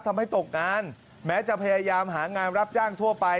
ตกงานแม้จะพยายามหางานรับจ้างทั่วไป